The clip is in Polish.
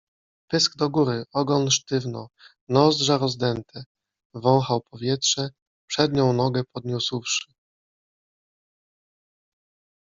Pysk do góry, ogon sztywno, nozdrza rozdęte. Wąchał powietrze, przednią nogę podniósłszy